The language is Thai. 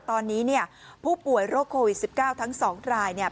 ตอนนี้เนี่ยผู้ป่วยโรคโควิด๑๙ทั้ง๒รายเนี่ย